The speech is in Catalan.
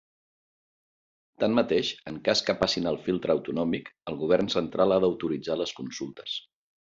Tanmateix, en cas que passin el filtre autonòmic el Govern Central ha d'autoritzar les consultes.